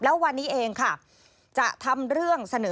แล้ววันนี้เองค่ะจะทำเรื่องเสนอ